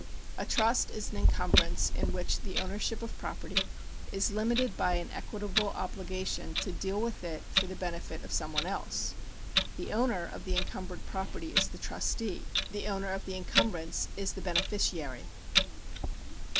A trust is an encumbrance in which the ownership of property is limited by an equitable obligation to deal with it for the benefit of some one else. The owner of the encumbered property is the trustee ; the owner of the encumbrance is the beneficiary.